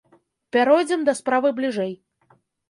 Пяройдзем да справы бліжэй.